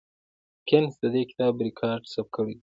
ګینس د دې کتاب ریکارډ ثبت کړی دی.